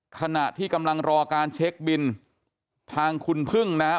ขณะที่กำลังรอการเช็คบินทางคุณพึ่งนะฮะ